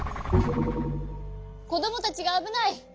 こどもたちがあぶない！